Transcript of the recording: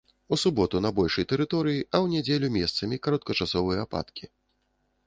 У суботу на большай тэрыторыі, а ў нядзелю месцамі кароткачасовыя ападкі.